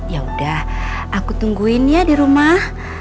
ya udah aku tungguin ya di rumah